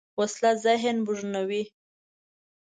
وسله ذهن بوږنوې